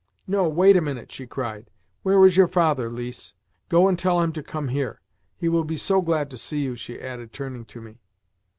"No, wait a minute," she cried. "Where is your father, Lise? Go and tell him to come here. He will be so glad to see you," she added, turning to me.